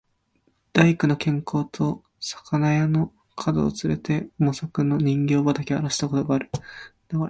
大工の兼公と肴屋の角をつれて、茂作の人参畠をあらした事がある。